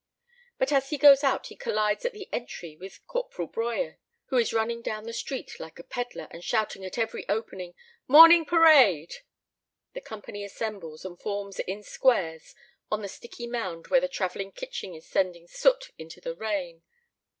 But as he goes out he collides at the entry with Corporal Broyer, who is running down the street like a peddler, and shouting at every opening, "Morning parade!" The company assembles and forms in squares on the sticky mound where the traveling kitchen is sending soot into the rain.